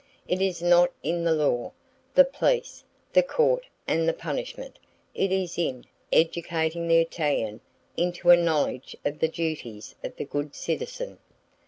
It is not in the law, the police, the court and the punishment. It is in educating the Italian into a knowledge of the duties of the good citizen!